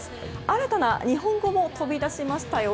新たな日本語も飛び出しましたよ。